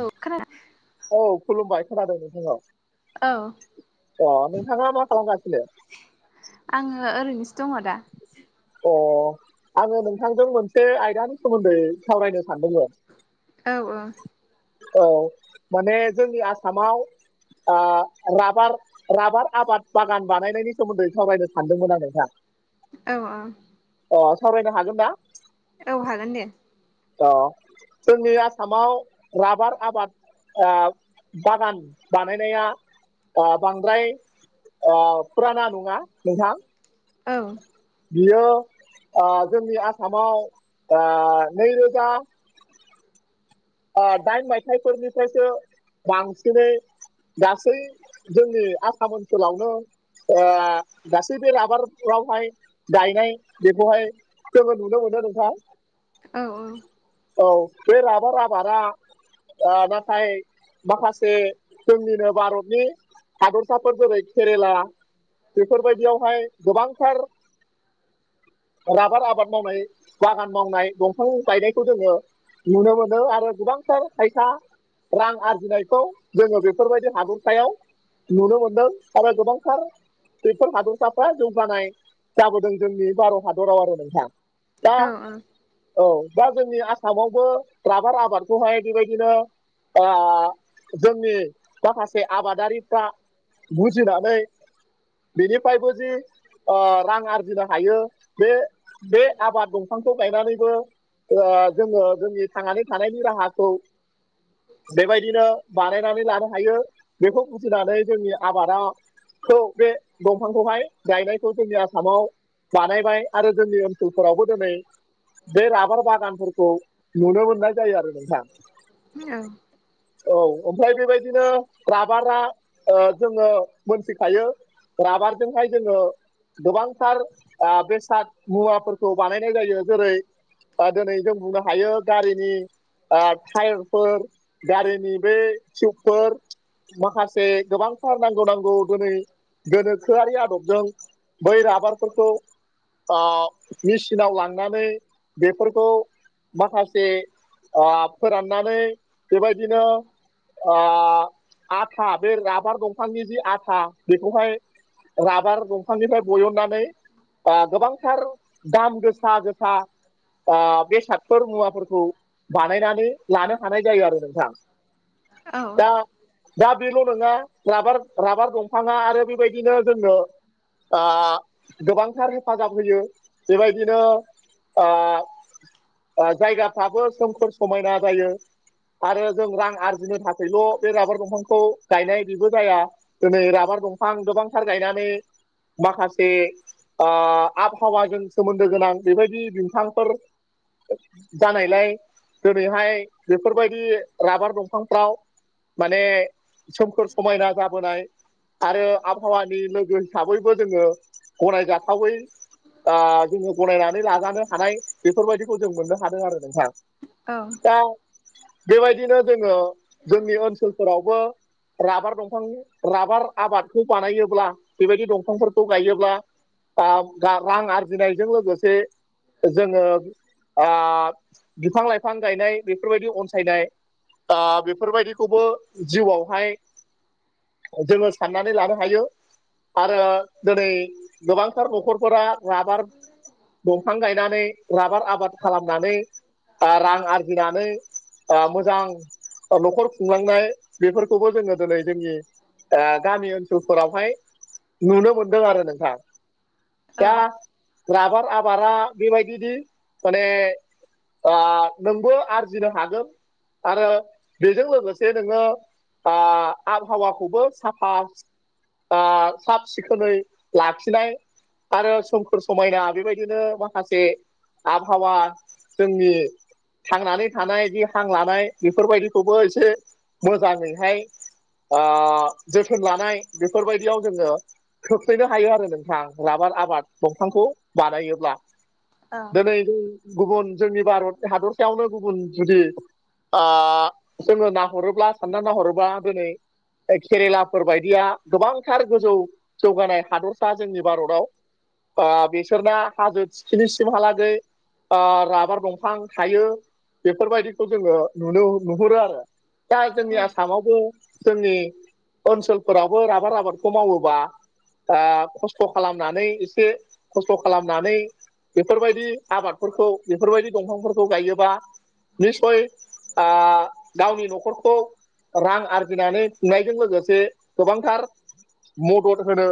औ खोना औ खुलुमबाय खोनादों नोंथां औ अ नोंथाङा मा खालामगासिनो? आङो ओरैनोसो दङ' दा अ आङो नोंथांजों मोनसे आयदानि सोमोन्दै सावरायनो सानदोंमोन। औ ओ औ माने जोंनि आसामाव ओ राबार राबार आबाद बागान बानायनायनि सोमोन्दै सावरायनो सानदोंमोन आरो ना औ ओ अ सावरायनो हागोन ना? औ हागोन दे अ जोंनि आसामाव राबार आबाद ओ बागान बानायनाया ओ बांद्राय ओ फुराना नङा नोंथां औ बियो ओ जोंनि आसामाव आ नैरोजा ओ दाइन मायथाइफोरनिफ्रायसो बांसिनै गासै जोंनि आसाम ओनसोलावनो ओ गासै बे राबार रावहाय गायनाय बेखौहाय जोङो नुनो मोनो नोंथां औ औ औ बे राबार आबारा ओ नाथाय माखासे जोंनिनो भारतनि हादरसाफोर जेरै केरेला बेफोरबायदियावहाय गोबांथार राबार आबाद मावनाय बागान मावनाय दंफां गायनायखौ जोङो नुनो मोन ओ आरो गोबांथार फाइसा रां आरजिनायखौ जोङो बेफोरबायदि हादरसायाव नुनो मोनदों आरो गोबांथार बेफोर हादरसाफ्रा जौगानाय जाबोदों जोंनि भारत हादराव आरो नोंथां दा औ औ दा जोंनि आसामावबो राभार आबादखौहाय बेबायदिनो आ जोंनि माखा से आबादारिफ्रा बुजिनानै बेनिफ्रायबो जि ओ रां आरजिनो हायो बे बे आबाद दंफांखौ गायनानैबो ओ जोङो जोंनि थांनानै थानायनि राहाखौ बेबायदिनो बानायनानै लानो हायो बेखौ बुजिनानै जोंनि आबादा खौ बे दंफांखौहाय गायनायखौ जोंनि आसामाव बानायबाय आरो जोंनि ओन लफोरावबो दिनै बे राबार बागानफोरखौ नुनो मोननाय जायो आरो नों थां औ ओमफ्राय बेबायदिनो राबारा ओ जोङो मोनथिखायो राबारजोंहाय जोङो गोबांथार आ बेसाद मुवाफोरखौ बानायनाय जायो जेरै से ओ दोनै जों बुंनो हायो गारिनि ओ टायेरफोर गारिनि बे टिउबफोर माखासे गोबांथार नांगौ नांगौ दोनै गोनोखोआरि आदबजों बै राबारफोरखौ ओ मेसिनाव लांनानै बेफोरखौ माखा जे ओ फोराननानै बेबायदिनो आ आथा बे राबार दंफांनि जि आथा बेखौहाय राबार दंफांनिफ्राय बयननानै आ गोबांथार दाम गोसा गोसा आ बेसादफोर मुवाफोर खौ बानायनानै लानो हानाय जायो आरो नोंथां दा दा बेल' नङा राबार राबार दंफाङा आरो बेबायदिनो जोंनो आ गोबांथार हेफाजाब होयो बेबायदिनो आ जायगाफ्राबो सोमखोर समायना जायो आरो जों रां आरजिनो थाखायल' बे राबार दंफांखौ गायनाय बेबो जाया दोनै राबार दंफां गोबांथार गायनानै माखासे आ आबहावाजों सोमोन्दो गोनां बेबायदि बिमफांफोर जानायलाय दोनैहाय बेफोरबायदि राबार दंफांफ्राव माने सोमखोर समायना जाबोनाय आरो आबहावानि लोगो हिसाबैबो जोङो गनायजाथावै आ जोङो गनायनानै लाजानो हानाय बेफोरबायदिखौ जों मोननो हादों आरो नोंथां औ दा बेबायदिनो जोङो जोंनि ओनसोलफोरावबो राबार दंफां राबार आबादखौ बानायोब्ला बेबायदि दंफांफोरखौ गायोब्ला गा रां आरजिनायजों लोगोसे जोङो आ बिफां लाइफां गायनाय बेफोरबायदि अनसायनाय आ बेफोरबायदिखौबो जिउआवहाय जोङो साननानै लानो हायो आरो दिनै गोबांथार नखरफोरा राबार दंफां गायनानै राबार आबाद खालामनानै आ रां आरजिनानै ओ मोजां ओ नखर खुंलांनाय बेफोरखौबो जोङो दिनै जोंनि आ गामि ओनसोलफोरावहाय नुनो मोनदों आरो नोंथां दा राबार आबारा बेबायदिनि माने आ नोंबो आरजिनो हागोन आरो बेजों लोगोसे नोङो आ आबहावाखौबो साफा आ साब सिखोनै लाखिनाय आरो सोमखोर समायना बेबायदिनो माखासे आबहावा जोंनि थांनानै थानाय बिदि हां लानाय बेफोरबायदिखौबो एसे मोजाङैहाय आं जोथोन लानाय बेफोरबायदियाव जोङो खोख्लैनो हायो आरो नोंथां राबार आबाद दंफांखौ बानायोबब्ला। ओं। जेरै गुबुन जोंनि भारतनि हादरसायावनो गुबुन जुदि आ जोङो नाहरोब्ला सानना नाहरोबा दिनै केरेलाफोर बायदिया गोबांथार गोजौ जौगानाय हादरसा जोंनि भारताव आ बिसोरना हाजो सिनिसिमहालाग आ राबार दंफां थायो बेफोरबायदिखौ जोङो नुनो नुहुरो आरो दा जोंनि औ आसामाव जोंनि ओनसोलफोरावबो राबार आबादखौ मावोबा आ खस्थ' खालामनानै एसे खस्थ' खालामनानै बेफोरबाय बिदि आबादफोरखौ बेफोरबायदि दंफांफोरखौ गायोबा निसय आ गावनि न'खरखौ रां आरजिनानै थुनलायजों लोगोसे गोबांथार मदद होनो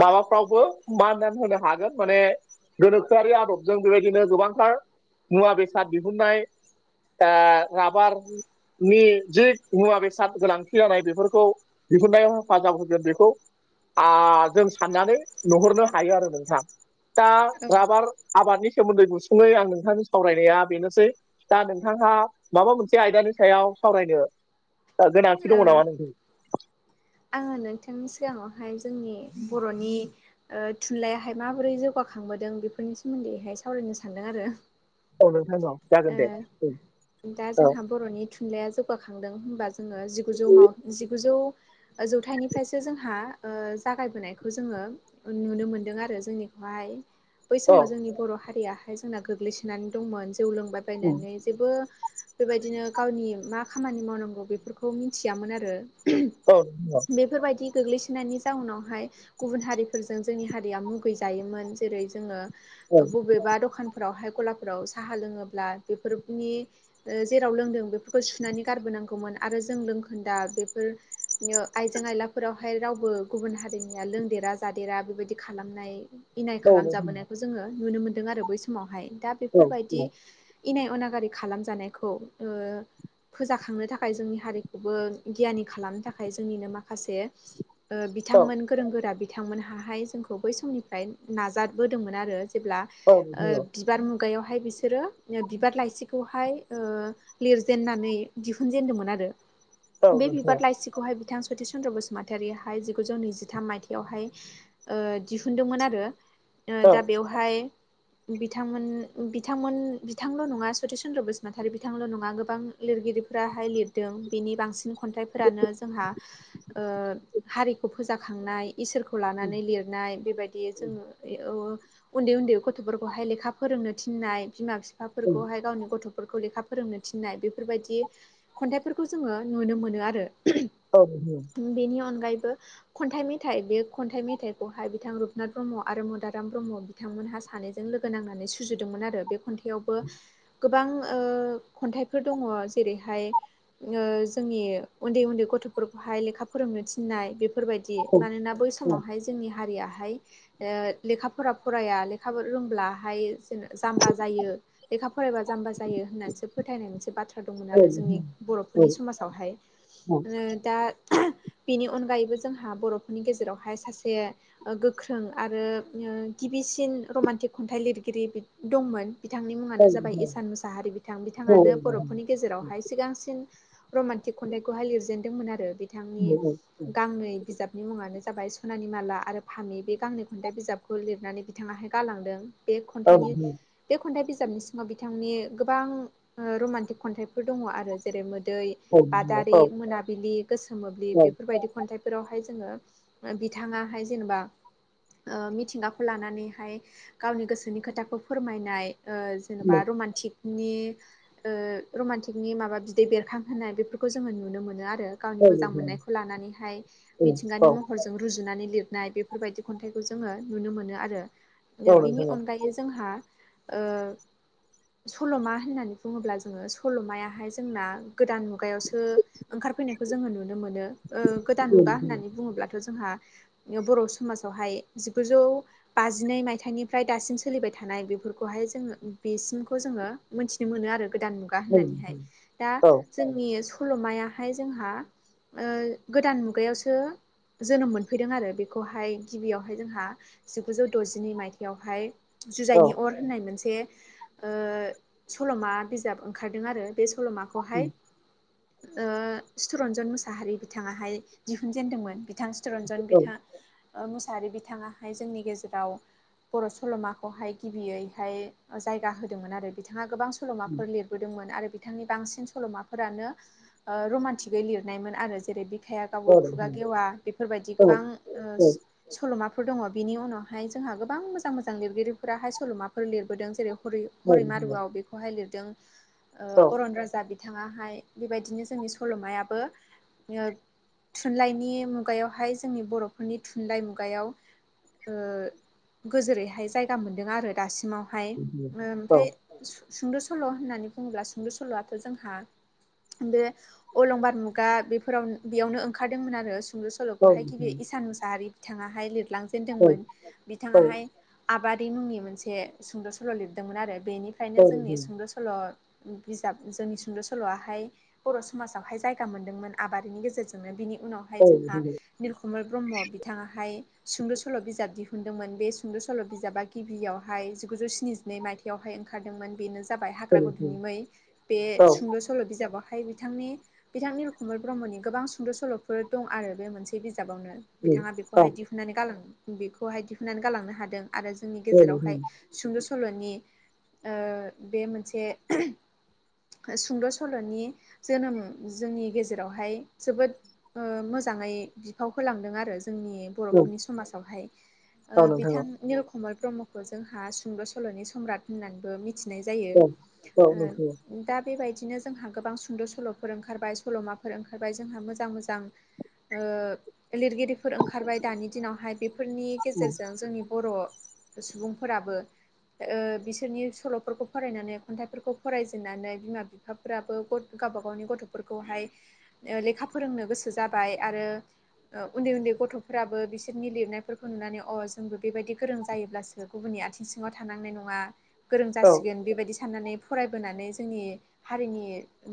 माबाफ्रावबो माननानै होनो हागोन माने गोनोख आरि आदबजों बेबायदिनो गोबांथार मुवा बेसाद दिहुननाय राबारनि जि मुवा बेसाद गोनांथि जानाय बेफोरखौ दिहुननायाव हेफाजाब होगोन बेखौ आ जों साननानै नुहरनो हायो आरो नोंथां दा राबार आबादनि सोमोन्दै गुसुङै आं नोंथांनि सावरायनाया बेनोसै दा नोंथांहा माबा मोनसे आयदानि सायाव सावरायनो गोनांथि औ दङ नामा नों आङो नोंथांनि सिगाङावहाय जोंनि बर'नि ओ थुनलाइाहाय माबोरै जौगाखांबोदों बेफोरनि सोमोन्दैहाय सावरायनो सानदों आरो। औ नोंथां औ जागोन ओ दे औ दा जोंहा बर'नि। थुनलाइया जौगाखांदों होनबा जोङो जिगुजौ जिगुजौ जौथाइनिफ्रायसो जोंहा ओ जागायबोनायखौ जोङो नुनो मोनदों आरो जोंनिखौहाय बै औ समाव जोंनि बर' हारियाहाय जोंना गोग्लैसोनानै दंमोन जौ लोंबायबायनानै जेबो बेबायदिनो गावनि मा खामानि मावनांगौ बेफोरखौ मिथियामोन आरो औ। औ बेफोरबायदि गोग्लैसोनायनि जाउनावहाय गुबुन हारिफोरजों जोंनि हारिया मुगै जायोमोन जेरै जोङो औ। बबेबा दखान फोरावहाय गलाफोराव साहा लोङोब्ला बेफोरनि जेराव लोंदों बेफोरखौ सुनानै गारबोनांगौमोन आरो जों लोंखोन्दा बेफोर आइजें आइलाफोरावहाय रावबो गुबुन हारिनिया लोंदेरा जादेरा बेबायदि खालामनाय। इनाय औ नोंथां औ नोंथां औ नोंथां औ नोंथां औ नोंथां औ खालामजाबोनायखौ जोङो नुनो मोन्दों आरो बै समावहाय दा बेफोरबायदि इनाय अनागारि खालामजानायखौ ओ फोजाखांनो थाखाय जोंनि हारिखौबो गियानि खालामनो थाखाय। जोंनिनो माखासे बिथांमोन गोरों गोरा बिथांमोनाहाय जोंखौ बै समनिफ्राय नाजाबोदोंमोन आरो जेब्ला बिबार मुगायावहाय बिसोरो बिबार लाइसिखौहाय ओ लिरजेननानै दिहुनजेनदोंमोन आरो बे बिबार लाइसिखौहाय बिथां सति चन्द्र बसुमतारिहाय जिगुजौ नैजिथाम माइथाइयावहाय ओ दिहुनदोंमोन आरो दा बेवहाय बिथांमोन बिथांमोन बिथांल' नङा सति चन्द्र बसुमतारि बिथांल' नङा गोबां लिरगिरिफोराहाय लिरदों बिनि बांसिन खन्थाइफोरानो जोंहा। हारिखौ फोजाखांनाय। इसोरखौ लानानै लिरनाय बेबायदि जोङो ए ओ उन्दै उन्दै गथ'फोरखौहाय लेखा फोरोंनो थिननाय बिमा बिफाफोरखौहाय गावनि गथ' फोरफोरखौ लेखा फोरोंनो थिन्नाय बेफोरबायदि खन्थाइफोरखौ जोङो नुनो मोनो आरो। औ नुयो। ओम बेनि अनगायैबो खन्थाइ मेथाइ बे खन्थाइ मेथाइखौहाय बिथां रुपनाथ ब्रह्म आरो मदाराम ब्रह्म बिथांमोनहा सानैजों लोगो नांनानै सुजुदोंमोन आरो। बे खन्थाइयावबो गोबां ओ खन्थाइफोर दङ जेरैहाय ओ जोंनि उन्दै उन्दै गथ' फोरखौहाय लेखा फोरोंनो थिन्नाय बेफोरबायदि। औ मानोना बै समावहाय जोंनि हारियाहाय ओ लेखाफोरा फराया लेखा रोंब्लाहाय जों जाम्बा जायो। लेखा फरायबा जाम्बा जायो होननानैसो फोथायनाय मोनसे बाथ्रा दंमोन आरो जोंनि बर'फोरनि समाजावहाय ओ दा बेनि अनगायैबो जोंहा बर'फोरनि गेजेरावहाय सासे ओ गोख्रों आरो ओ गिबिसिन रमान्टिक खन्थाइ लिरगिरि बि दंमोन। बिथांनि मुङानो जाबाय इसान मुसाहारि बिथां बिथाङानो बर'फोरनि गेजेरावहाय सिगांसिन रमान्टिक खन्थाइखौहाय लिरजेनदोंमोन आरो बिथांनि गांनै बिजाब नि मुङानो जाबाय सनानि माला आरो फामि बे गांनै खन्थाइ बिजाबखौ लिरनानै बिथाङाहाय गालांदों। बे खन्थाइनि बे खन्थाइ बिजाबनि सिङाव बिथांनि गोबां ओ रमान्टिक खन्थाइफोर दङ आरो जेरै मोदै बादारि, औ मोनाबिलि, गोसो मोब्लिब बेफोरबायदि खन्थाइ फोरावहाय जोङो ओ बिथाङाहाय जेनेबा ओ मिथिंगाखौ लानानैहाय गावनि गोसोनि खोथाखौ फोरमायनाय ओ जेनेबा रमानटिक नि ओ रमान्टिकनि माबा बिदै बेरखांहोनाय बेफोरखौ जोङो नुनो मोनो आरो। गावनि मोजां मोननायखौ लानानैहाय मिथिंगानि महरजों जों रुजुनानै लिरनाय बेफोरबायदि खन्थाइखौ जोङो नुनो मोनो आरो। [unintelligible] बिनि अनगायै जोंहा ओ सल'मा होननानै बुङोब्ला जोङो सल'मायाहाय जोंना गोदान मुगायावसो फैनायखौ जोङो नुनो मोनो ओ गोदान मुगा होननानै बुङोब्लाथ' जोंहा ओ बर' समाजावहाय जिगुजौ बाजिनै मायथाइनिफ्राय दासिम सोलिबाय थानाय बेफोरखौहाय जोङो बेसिमखौ जोङो मोनथिनो मोनो आरो गोदान मुगा होननानैहाय। दा जोंनि सल'माया बेहाय जोंहा ओ गोदान मुगायावसो जोनोम मोनफैदों आरो बेखौहाय गिबियावहाय जोंहा जिगुजौ द'जिनै मायथाइयावहाय। जुजाइनि अर होननाय मोनसे ओ सल'मा बिजाब ओंखारदों आरो। बे सल'माखौहाय ओ चितरन्जन मुसाहारि बिथाङाहाय दिहुनजेनदोंमोन। बिथां चितरन्जन बिथां ओ मुसाहारि बिथाङाहाय जोंनि गेजेराव बर' सल'माखौहाय गिबियैहाय जायगा होदोंमोन आरो बिथाङा गोबां सल'माफोर लिरबोदोंमोन आरो बिथांनि बांसिन सल'माफोरानो ओ रमान्टिकयै लिरनायमोन आरो जेरै बि बिखाया गावो खुगा गेवा बेफोरबायदि गोबां ओ सल'माफोर दङ' बिनि उनावहाय जोंहा गोबां मोजां मोजां लिरगिरिफोराहाय सल'माफोर लिरबोदों जेरै हरै हरै मारुआव बेखौहाय लिरदों ओ अरन राजा बिथाङाहाय। बेबायदिनो जोंनि सल'मायाबो ओ थुनलाइनि मुगायावहाय जोंनि बर'फोरनि थुनलाइ मुगायाव ओ गोजोरैहाय जायगा मोनदों आरो दासिमावहाय। ओमफ्राय सुं-सुंद' सल' होननानै बुङोब्ला सुंद' सल'आथ' जोंहा बे अलंबार मुगा बेफोराव बेयावनो ओंखारदोंमोन आरो सुंद' सल'खौहाय गिबि इसान मुसाहारि बिथाङाहाय लिरलांजेनदोंमोन बिथाङाहाय आबारि मुंनि मोनसे सुंद' सल' लिरदोंमोन आरो बेनिफ्रायनो जोंनि सुंद' सल सल' बिजाब जोंनि सुंद' सल'आहाय बर' समाजावहाय जायगा मोनदोंमोन आबारिनि गेजेरजोंनो बिनि उनावहाय जोंहा निलखमल ब्रह्म बिथाङाहाय सुंद' सल' बिजाब दिहुनदोंमोन बे सुंद' सल' बिजाबा गिबियावहाय जिगुजौ स्निजिनै मायथाइयावहाय ओंखारदोंमोन बेनो जाबाय हाग्रा गुदुंनि मै बे सुंद' सल' बिजाबावहाय बि थांनि बिथां निलखमल ब्रह्मनि गोबां सुंद' सल'फोर दं आरो बे मोनसे बिजाबावनो। बिथाङा बेखौहाय दिहुननानै गालां बेखौहाय दिहुननानै गालांनो हादों आरो जोंनि गेजेरावहाय सुंद' सल'नि ओ बे मोनसे सुंद' सल'नि जोनोम जोंनि गेजेरावहाय जोबोद ओ मोजाङै बिफाव होलांदों आरो जोंनि औ औ बर'फोरनि समाजावहाय औ ओ नोंथां बिथां औ निलखमल ब्रह्म बो जोंहा सुंद' सल'नि सम्राट होननानैबो मिथिनाय जायो औ औ नोंथां औ ओ दा बेबायदिनो जोंहा गोबां सु द' सल'फोर ओंखारबाय सल'माफोर ओंखारबाय जोंहा मोजां मोजां ओ लिरगिरि फोर ओंखारबाय दानि दिनावहाय बेफोरनि गेजेरजों जोंनि बर' सुबुंफोराबो। ओ बिसोरनि सल'फोरखौ फरायनानै खन्थाइफोरखौ फरायजेननानै बिमा बिफाफोराबो गथ गावबा गावनि गथ'फोरखौहाय लेखा ओ फोरोंनो गोसो जाबाय आरो ओ उन्दै उन्दै गथ'फोराबो बिसोरनि लिरनायफोरखौ नुनानै अ जोंबो बेबायदि गोरों जायोब्लासो जे गुबुननि आथिं सिङाव थानांनाय नङा। गोरों औ जासिगोन बेबायदि साननानै फरायबोनानै जोंनि हारिनि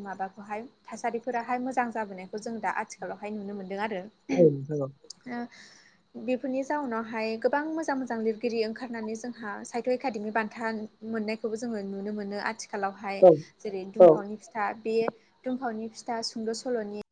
माबाखौहाय थासारिफोराहाय मोजां जाबोनायखौ जों दा आथिखालावहाय नुनो मोनदों आरो। औ नंगौ। ओ बिफोरनि जाउनावहाय गोबां मोजां मोजां लिरगिरि ओंखारनानै जोंहा साहित्य एकादेमि बान्था मोननायखौबो जोङो नुनो मोनो आथि खालावहाय औ जेरै औ दुमफावनि फिथा बे दुमफावनि फिथा सुंद' सल'नि